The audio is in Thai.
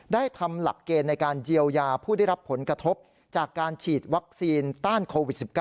ทำหลักเกณฑ์ในการเยียวยาผู้ได้รับผลกระทบจากการฉีดวัคซีนต้านโควิด๑๙